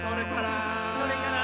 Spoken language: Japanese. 「それから」